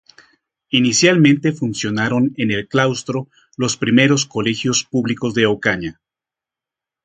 Inicialmente, funcionaron en el claustro los primeros colegios públicos de Ocaña.